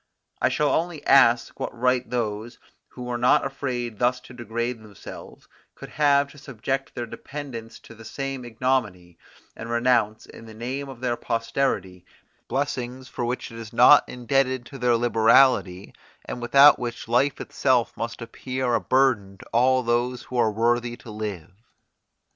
I shall only ask what right those, who were not afraid thus to degrade themselves, could have to subject their dependants to the same ignominy, and renounce, in the name of their posterity, blessings for which it is not indebted to their liberality, and without which life itself must appear a burthen to all those who are worthy to live.